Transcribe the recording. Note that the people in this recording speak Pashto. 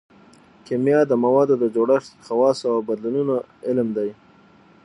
کیمیا د موادو د جوړښت خواصو او بدلونونو علم دی